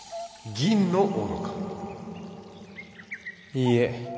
いいえ。